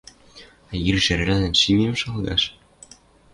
А ир жерӓлӓн шимем шалгаш?